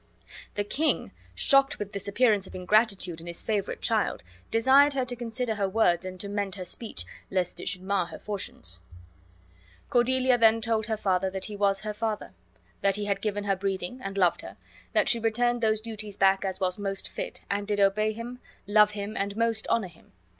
The king, shocked with this appearance of ingratitude in his favorite child, desired her to consider her words and to mend her speech, lest it should mar her fortunes. Cordelia then told her father that he was her father, that he had given her breeding, and loved her; that she returned those duties back as was most fit, and did obey him, love him, and most honor him.